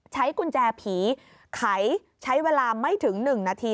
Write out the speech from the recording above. ใช้กุญแจผีไขใช้เวลาไม่ถึง๑นาที